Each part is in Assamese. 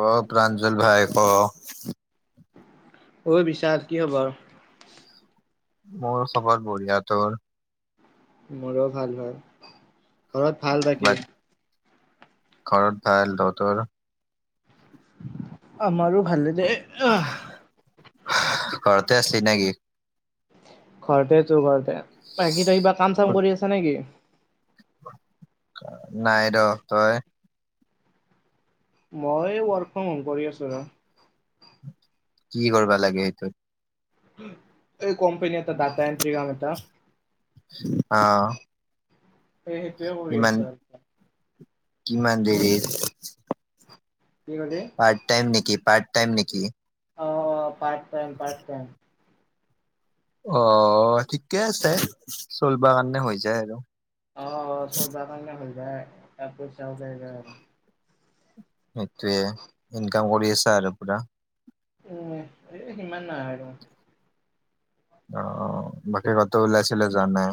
অঁ, প্ৰাঞ্জল ভাই ক'? ঐ বিশাল, কি হ'ব আৰু? মোৰ খবৰ বঢ়িয়া। তোৰ? মোৰো ভাল ভাল। ঘৰত ভাল বাকী? বাক ঘৰত ভাল। তহঁতৰ? আমাৰো ভালে দেই। এ আহ। হাঁহ্, ঘৰতে আছিলি নেকি? ঘৰতেটো, ঘৰতে। বাকী তই কিবা কাম-চাম কৰি আছ নেকি? নাই দ, তই? মই ৱৰ্ক ফ্ৰম হোম কৰি আছোঁ ৰ! কি কৰিবা লাগে সেইটোত? এই কোম্পানী এটা ডাটা এণ্ট্ৰি কাম এটা। আঁ। সেই সেইটোৱে কৰি আছোঁ আৰু। কিমান দেৰি। কি কলি? পাৰ্ট টাইম নেকি? পাৰ্ট টাইম নেকি? অঁ, অঁ পাৰ্ট টাইম, পাৰ্ট টাইম। অঁ, ঠিকে আছে। চলব কাৰণে হৈ যায় আৰু। অঁ, অঁ চলব কাৰণে হৈ যায়। এক পইচা ওলাই ন '। সেইটৱে, ইনকাম কৰি আছা আৰু পুৰা। উম, এ সিমান নাই আৰু। অঁ, অঁ বাকী ক'তো ওলাই চুলাই যোৱা নাই?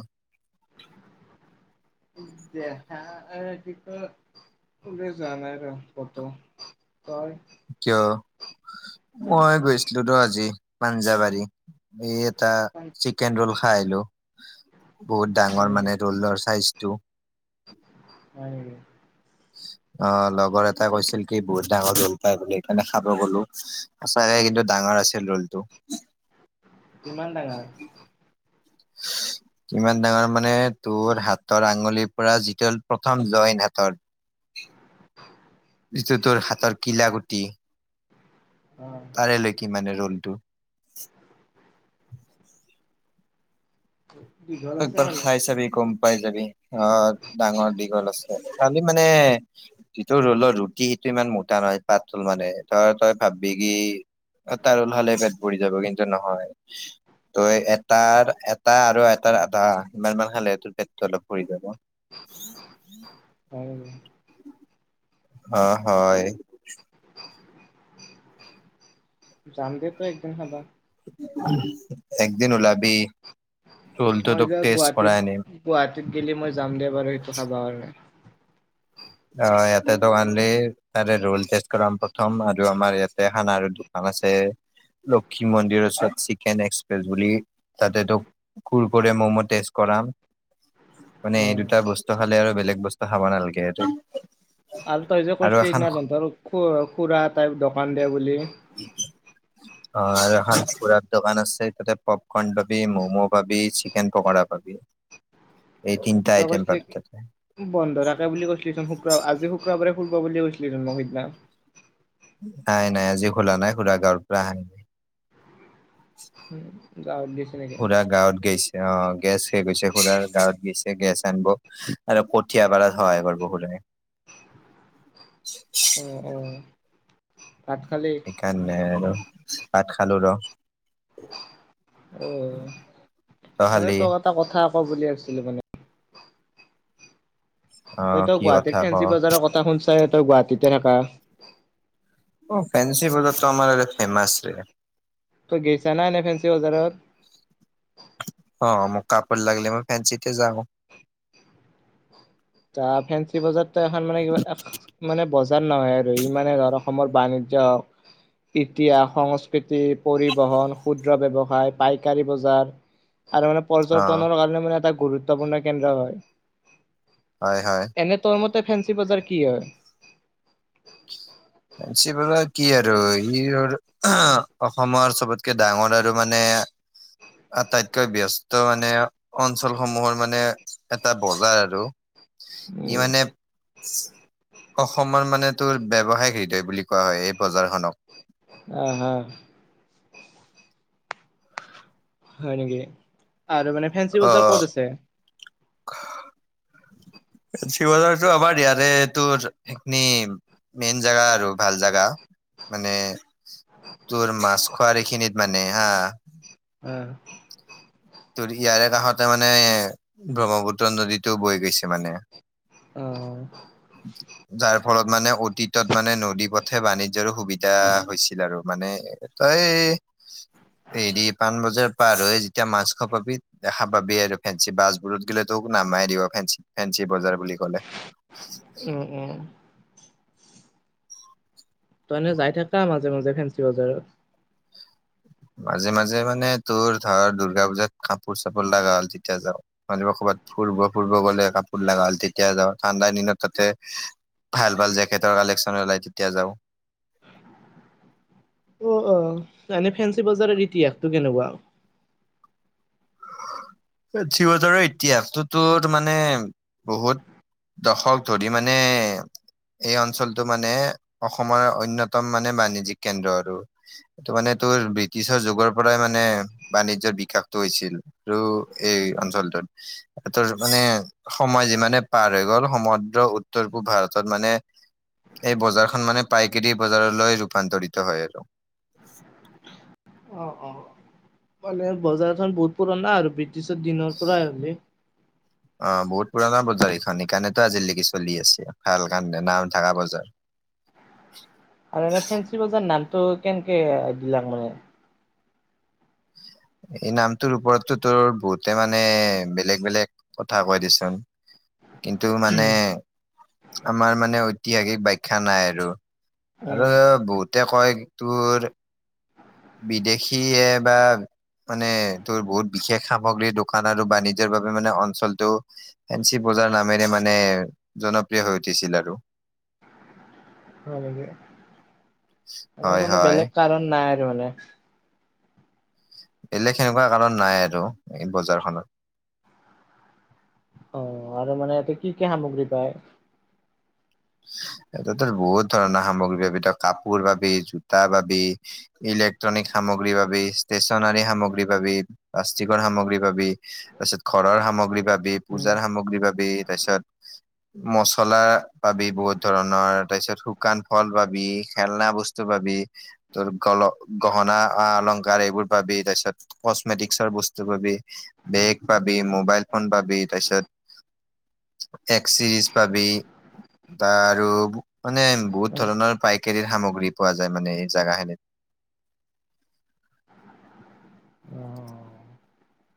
দেহা এ কি কয়? ওলাই যোৱা নাই ৰ' ক'তো, তই? কিয়? মই গৈছিলো ৰ' আজি পাঞ্জাবাৰী। এ টা হয় চিকেন ৰোল খাই আহি। বহুত ডাঙৰ নেকি মানে ৰোলৰ চাইজটো। হয় নেকি? অঁ, লগৰ এটাই কৈছিল কি? বহুত ডাঙৰ ৰোল পাই বুলি সেইকাৰণে খাব গ'লো। সঁচাকে কিন্তু ডাঙৰ আছিল ৰোলটো। কিমান ডাঙৰ? টিক্। কিমান ডাঙৰ মানে, তোৰ হাতৰ আঙুলিৰ পৰা যিটো হ'ল প্ৰথম জইন হাতৰ। যিটো তোৰ হাতৰ কিলাকুটি। অহ তাৰে লেকি মানে ৰলটো [unintelligible] তই একবাৰ নাই? খাই চাবি গম পাই যাবি, অহ ডাঙৰ দিশ। দুজন আছিলে, কালি মানে যিটো ৰলৰ ৰুটি সেইটো ইমান মোটা নহয়, পাত ৰল মানে তই তই ভাববি কি এটা ৰোল খালেই পেট ভৰি যাব, কিন্তু নহয় তহ এটাৰ এটা আৰু এটাৰ আধা, ইমান মান খালে হেটোৰ পেটটো অলপ ভৰি যাব। হয়। অহ হয়। [unintelligible] একদিন ওলাবি, হলটো মই তোক যে টেষ্ট গুৱাহাটীত কৰাই আনিম। গুৱাহাটীত গেলি মই যামদে বাৰু সেইটো খাবা কাৰণে অ ইয়াতে দোকান‌ দে, তাৰে ৰল চেট কৰাম প্ৰথম ভাত আৰু আমাৰ ইয়াতে খানা‌ ৰুটি আগ আছে, লক্ষী মন্দিৰৰ ওচৰত চিকেন এক্সপ্ৰেছ বুলি তাতে তোক কুৰকুৰি, মম তেজ কৰাম। মানে অ এই দুটা বস্তু খালে আৰু বেলেগ বস্তু খাব নালাগে, এইটো আৰু তই যে কৈছিলি সেইদিনা তহতৰ, খু খুড়া এটাই দোকান দে বুলি অ এখন ফুৰাৰ দোকান আছে, তাতে পপকৰ্ন পাবি, মমো পাবি, চিকেন পকৰা পাবি এই তিনটা তই আইটেম কৈছিলি পাবি তাত বন্ধ থাকে বুলি কৈছিলি চোন শুক্ৰ আজি শুক্ৰবাৰে খুলব বুলি কৈছিলিচোন মোক সেদিনা। নাই নাই আজি খুলা নাই, খুৰা গাঁৱৰ পৰা অহা উম গাঁৱত দিছ খুৰাৰ গাঁৱত গৈছে অহ, গেছ শেষ গৈছে খুৰাৰ গাঁৱত গৈছে গেছ আনব আৰু কঠীয়া পাৰাত সহায় কৰিব বোলে উম, উম ভাত খালি? সেইকাৰণে আৰু ভাত খালো ৰহ অহ, মই তই এটা কথা ক বুলি আছিলো মানে। অ তই তহ কি কথা গুৱাহাটীত ক ফেঞ্চি বজাৰৰ কথা শুনচা, তই গুৱাহাটীতে থাকা অহ ফেঞ্চি বজাৰটো আমাৰ ফেমাছে। তহ গেইছা নাই এনেই ফেঞ্চি বজাৰত অহ অহ, মোক কাপোৰ লাগিলে মই ফেঞ্চিতহে যাওঁ। তহ ফেঞ্চি বজাৰতো এখন মানে কিবা মানে বজাৰ নহয় আৰু ই মানে ধৰা অসমৰ বাণিজ্যক ইতিহাস, সংস্কৃতি, পৰিবহন, ক্ষুদ্ৰ ব্যৱসায়, পাইকাৰী বজাৰ আৰু মানে অ পৰ্যটনৰ কাৰণে মানে এটা গুৰুত্বপূৰ্ণ কেন্দ্ৰ হয়। হয় হয়। এনে তোৰমতে ফেন্সি বজাৰ কি হয়? চিভিলাৰ কি আৰু, ই আৰু অসমৰ চবতকে ডাঙৰ আৰু মানে আটাইতকৈ ব্যস্ত মানে, অঞ্চলসমূহৰ মানে এটা বজাৰ আৰু ই উম মানে, অসমৰ মানে তোৰ ব্যৱসায়িক হেৰি সেই বুলি কোৱা হয়, এই বজাৰখনক অহ, হা হয় নেকি আৰু মানে ফেঞ্চি বজাৰ অ' ক'ত আছে? শিবজাৰতো আমাৰ ইয়াৰে তোৰ এইখিনি মেইন জাগা আৰু ভাল জাগা মানে তোৰ মাছখোৱাৰ এইখিনিত মানে হা অহ ত ইয়াৰে কাষতে মানে ব্ৰহ্মপুত্ৰ নদীটো বৈ গৈছে মানে। অহ যাৰ ফলত মানে অতীতত মানে নদী পথে বাণিজ্যৰো সুবিধা হৈছিল আৰু মানে ত হেৰি পাণ বজাৰ পাৰ হৈ যেতিয়া মাছখোৱা পাবি দেখা পাবি আৰু ফেঞ্চি বাছবোৰত গেলি তোক নামাই দিব ফে ফেঞ্চি বজাৰ বুলি ক'লে। [unintelligible] উম উম তই এনে যাই থাকা মাজে মাজে ফেঞ্চি বজাৰত মাজে মাজে মানে তোৰ ধৰ দুৰ্গা পূজাত কাপোৰ চাপোৰ লাগা হ'লে তেতিয়া যাওঁ মানে মই ক'বাত ফুৰিব ফুৰিব গ'লে কাপোৰ লগা হ'ল তেতিয়া যাওঁ ঠাণ্ডাৰ দিনত তাতে ভাল ভাল জেকেটৰ কালেকশ্চন ওলাই তেতিয়া যাওঁ অ অ মানে ফেঞ্চি বজাৰৰ ইতিহাসটো কেনেকুৱা? ফেঞ্চি বজাৰৰ ইতিহাসটোতো মানে বহুত দশক ধৰি মানে এই অঞ্চলটো মানে অসমৰ অন্যতম মানে বাণিজ্যিক কেন্দ্ৰ আৰু এইটো মানে তোৰ ব্ৰিটিছৰ যুগৰ পৰাই মানে বাণিজ্যৰ বিকাশটো হৈছিল ৰু এই অঞ্চলটোত এতোৰ মানে সময় যিমানে পাৰ হৈ গ'ল সমগ্ৰ উত্তৰ পূব ভাৰতত মানে এই বজাৰখন মানে পাইকেৰী বজাৰলৈ ৰূপান্তৰিত হয় আৰু অ অ মানে বজাৰখন বহুত পুৰণা আৰু বৃ টিছৰ দিনৰ পৰাই আৰু আহিলে অ বহুত পুৰণা বজাৰ এইখন সেইকাৰণেতো আজিলৈকে চলি আছে ভাল কাৰণে নাম থাকা বজাৰ আৰু এনে ফেঞ্চি বজাৰ নামটো কেনকে দিলাং মানে এই নামটোৰ ওপৰটো তোৰ বহুতে মানে বেলেগ বেলেগ কথা কয় দেচোন কিন্তু মানে উম। আমাৰ মানে ঐতিহাসিক বাাখ্যা নাই আৰু আৰু উম, বহুতে কয় তোৰ বিদেশীয়ে বা মানে তোৰ বহুত বিশেষ সামগ্ৰী দোকান আৰু বাণিজ্যৰ বাবে মানে অঞ্চলটো ফেঞ্চি বজাৰ নামেৰে মানে জনপ্ৰিয় হৈ উঠিছিল আৰু হয় নেকি মানে হয় কোনো হয়। বেলেগ কাৰণ নাই মানে বেলেগ সেনেকুৱা কাৰণ নাই আৰু এ বজাৰখনত অ আৰু মানে তাত কি কি সামগ্ৰী পায় তাতে বহুত ধৰণৰ সামগ্ৰী পাবি তই কাপোৰ পাবি, জোতা পাবি ইলেক্ট্ৰনিক সামগ্ৰী পাবি, ষ্টেচনাৰী সামগ্ৰী পাবি, প্লাষ্টিকৰ সামগ্ৰী পাবি, তাপিছত ঘৰৰ সামগ্ৰী পাবি, উম, পূজাৰ সামগ্ৰী পাবি, তাৰপিছত মচলা পাবি বহুত ধৰণৰ, তাৰ পিছত শুকান ফল পাবি, খেলনা বস্তু পাবি তোৰ গল গহনা আ-অলংকাৰ এইবোৰ পাবি তাৰপিছত কচমেটিকচৰ বস্তু পাবি, বেগ পাবি, মোবাইল ফোন পাবি তাৰপিছত এক চিৰিজ পাবি বা আৰু মানে বহুত অ' ধৰণৰ পাইকাৰীৰ সামগ্ৰী পোৱা যায় মানে এই জাগা খিনিত। অহ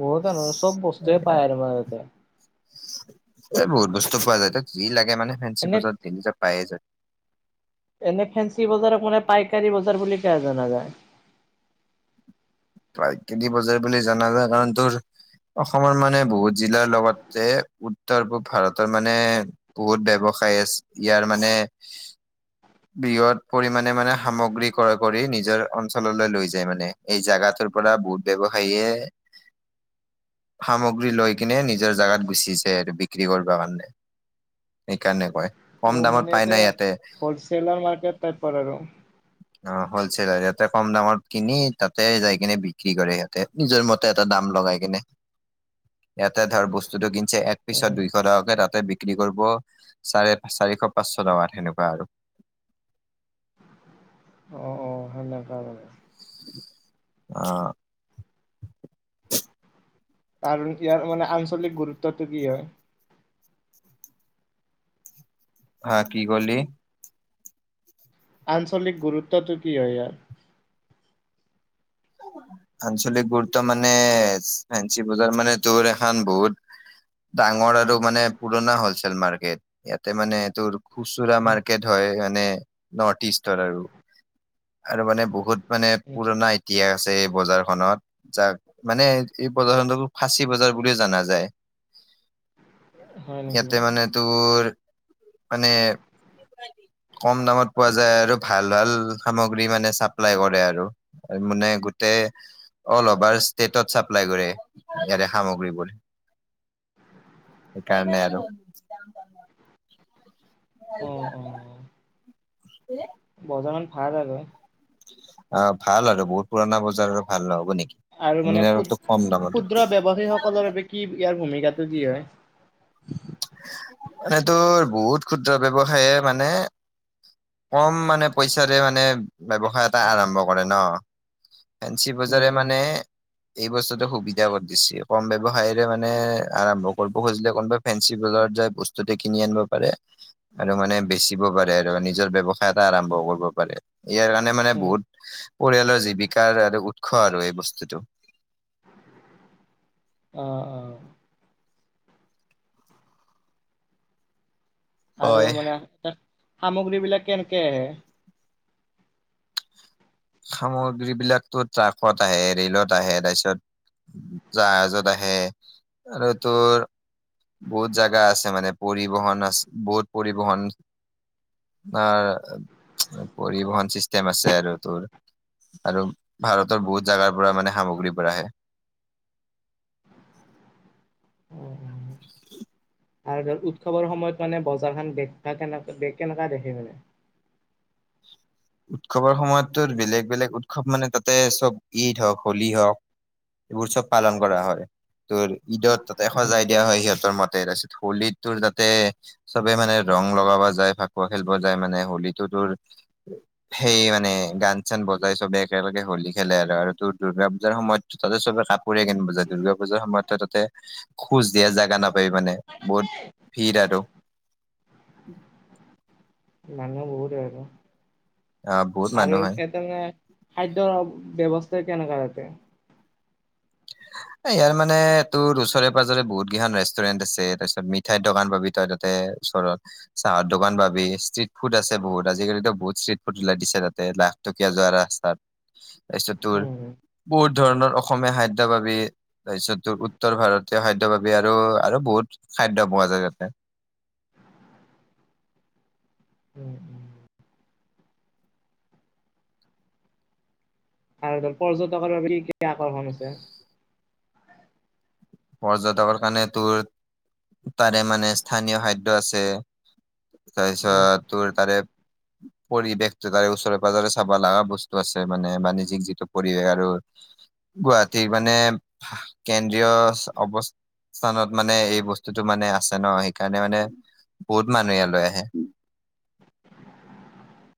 বহুত আৰু চব বস্তুৱে পায় তোমাৰ তাতে। এ বহুত বস্তু পোৱা যায় তাতে। যি লাগে মানে ফেঞ্চি এনে বজাৰত গেলি তই পায়ে যায়। এনে ফেঞ্চি বজাৰকো মানে পাইকাৰী বজাৰ বুলি কিয় জনা যায়? পাইকাৰী বজাৰ বুলি জানা যায় কাৰণ তোৰ অসমৰ মানে বহুত জিলাৰ লগতে উত্তৰ পূব ভাৰতৰ মানে বহুত ব্যৱসায় আছে ইয়াৰ মানে বৃহৎ পৰিমাণে মানে সামগ্ৰী ক্ৰয় কৰি নিজৰ অঞ্চললৈ লৈ যায় মানে। এই জাগাটোৰ পৰা বহুত ব্যৱসায়ে [inaudible] সামগ্ৰী লৈ কিনে নিজৰ জাগাত গুচি যাই আৰু বিক্ৰী কৰিব কাৰণে। সেইকাৰণে কয়। কম দামত পাই নাই ইয়াতে। হলছেলাৰ মাৰ্কেট টাইপৰ আৰু। অ হলচেলাৰ ইয়াতে কম দামত কিনি তাতে যাই কিনে বিক্ৰী কৰে সিহঁতে। নিজৰ মতে এটা দাম লগাই কিনে। [inaudible] এটা ধৰ বস্তুতটো কিনছে পিছত উম। দুইশ টকাকে তাতে বিক্ৰী কৰিব চাৰে চাৰিশ পাঁচশ টকাত সেনেকুৱা আৰু। অ অ সেনেকা মানে। অহ। কাৰণ ইয়াৰ মানে আঞ্চলিক গুৰুত্বটো কি হয়? হা কি কলি? আঞ্চলিক গুৰুত্বটো কি হয় ইয়াৰ? আঞ্চলিক গুৰুত্ব মানে ফেঞ্চি বজাৰ মানে তোৰ এখন বহুত ডাঙৰ আৰু মানে পুৰণা হলচেল মাৰ্কেট ইয়াতে মানে তোৰ খুচুৰা উম, মাৰ্কেট হয় মানে নৰ্থ ইষ্ট আৰু, আৰু মানে বহুত মানে উম। পুৰণা ইতিহাস আছে এই বজাৰখনত। যাক মানে এই প্ৰদৰ্শনো ফাঁচী বজাৰ বুলিও জানা যায়। [inaudible] হয় নেকি? ইয়াতে মানে তোৰ মানে কম দামত পোৱা যায় আৰু ভাল ভাল সামগ্ৰী মানে চাপ্লাই কৰে আৰু। মানে গোটেই অল অভাৰ ষ্টেটত চাপ্লাই কৰে ইয়াৰে সামগ্ৰীবোৰ। সেইকাৰণে আৰু। অ', [unintelligible] বজাৰ খন ভাল আৰু। অ ভাল আৰু বহুত পুৰণা বজাৰ আৰু ভাল নহ'ব নেকি। আৰু মানে এনে ক্ষুদ তোক কম দামত ক্ষুদ্ৰ ব্যৱসায়ী সকলৰ বাবে কি ইয়াৰ ভূমিকাটো কি হয়? এনে তোৰ বহুত ক্ষুদ্ৰ ব্যৱসায়ে মানে কম মানে পইচাৰে মানে ব্যৱসায় এটা আৰম্ভ কৰে ন। ফেঞ্চি উম, বজাৰে উম, মানে এই বস্তুতটো সুবিধা কৰি দিছে। কম ব্যৱসায়ৰে মানে আৰম্ভ কৰিব খুজিলে কোনোবা ফেঞ্চি বজাৰত যাই বস্তুতে কিনি আনিব পাৰে আৰু মানে বেচিব পাৰে আৰু নিজৰ ব্যৱসায় এটা আৰম্ভ কৰিব পাৰে। ইয়াৰ কাৰণে মানে উম। বহুত পৰিয়ালৰ জীৱিকাৰ আৰু উৎস আৰু এই বস্তুতটো। অ অ। আৰু হয় মানে, সামগ্ৰী বিলাক কেনেকে আহে? সামগ্ৰী বিলাকতো ট্ৰাকত আহে ৰেলত আহে তাৰপিছত- জাহাজত আহে, আৰু তোৰ- বহুত জাগা আছে মানে পৰিবহন আ বহুত পৰিবহন- অ পৰিবহন চিষ্টষ্টেম আছে আৰু তোৰ। আৰু ভাৰতৰ বহুত জাগাৰ পৰা মানে সামগ্ৰীবোৰ আহে। উম। আৰু ধৰ উৎসৱৰ সময়ত মানে বজাৰখন বেগ কেনেগা কেনেকুৱা দেখে মানে। উৎসৱৰ সময়ততো বেলেগ বেলেগ উৎসৱ মানে তাতে চব ঈদ হওক হোলী হওক। এইবোৰ চব পালন কৰা হয় তোৰ ঈদত তাতে এশজায়- দিয়া হয় সিহঁতৰ মতে তাৰপিছত হোলীটোৰ যাতে- চবে মানে ৰং লগাব যায় ভাকুৱা খেলিব যায় মানে হোলীটো তোৰ- সেই মানে গান চান বজাই চবে একেলগে হলী খেলে আৰু আৰু তোৰ দুৰ্গা পূজাৰ সময়ত। তাতে চবে কাপোৰৰে কিনিব- দুৰ্গা পুজাৰ সময়তো তাতে খোজ দিয়া জোগা নাপায় মানে বহুত ভিৰ আৰু। মানুহ বহুতে হয় অ, আহ বহুত মানুহ আৰু- হয়। তেনেকে খাদ্যয়ৰ ব্যৱস্থা কেনেকুৱা তাতে? ইয়াৰ মানে এই তোৰ ওচৰে পাজৰে বহুত কেইখন ৰেষ্টুৰেণ্ট আছে তাৰপিছত মিঠাইৰ দোকান পাবি তই তাতে- ওচৰত। চাহৰ দোকান পাবি ষ্ট্ৰিট ফুড আছে বহুত আজিকালিতো বহুত ষ্ট্ৰীট ফুড ওলাই দিছে তাতে লাখ- টকিয়া যোৱা ৰাস্তাত, তাৰপিছত তোৰ উম। বহুত ধৰণৰ অসমীয়া খাদ্য পাবি। তাৰপিছত উত্তৰ ভাৰতীয় খাদ্যৰ পাবি আৰু আৰু বহুত খাদ্য পোৱা যায় তাতে। উম উম। আৰু ধৰ পৰ্য্যটকৰ বাবে কি কি আকৰ্ষণ আছে? পৰ্য্যটকৰ কাৰণে তোৰ, তাৰে মানে স্থানীয় খাদ্য আছে। উম তাৰপিছত তোৰ তাৰে- [inaudible] পৰিৱেশটো তাৰে ওচৰে পাজৰে চাব লগা বস্তু আছে মানে বাণিজ্যিক যিটো পৰিৱেশ আৰু- গুৱাহাটী মানে, কেন্দ্ৰীয়- অৱস্থানত মানে এই বস্তুটো মানে আছে ন সেইকাৰণে মানে- বহুত মানুহে লৈ আহে।